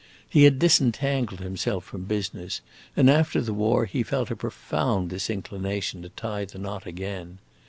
He had disentangled himself from business, and after the war he felt a profound disinclination to tie the knot again.